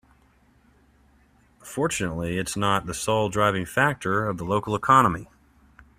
Fortunately its not the sole driving factor of the local economy.